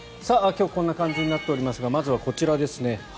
今日はこんな感じになっておりますがまずはこちらですね。